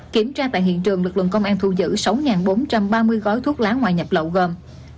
kiểm tra tại hiện trường lực lượng công an thu giữ sáu bốn trăm ba mươi gói thuốc lá ngoại nhập lậu gồm